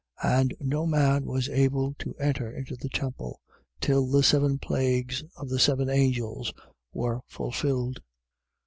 And no man was able to enter into the temple, till the seven plagues of the seven angels were fulfilled.